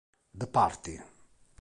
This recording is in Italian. The Party